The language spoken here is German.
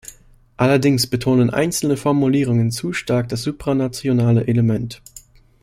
Allerdings betonen einzelne Formulierungen zu stark das supranationale Element.